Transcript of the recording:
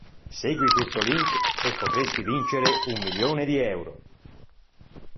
Segui questo link e potresti vincere un milione di euro.